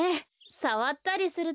さわったりすると。